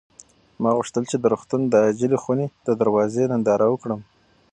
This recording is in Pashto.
ما غوښتل چې د روغتون د عاجلې خونې د دروازې ننداره وکړم.